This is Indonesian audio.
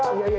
ya udah pak